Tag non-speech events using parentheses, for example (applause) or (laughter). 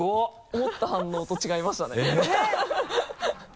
思った反応と違いましたね (laughs)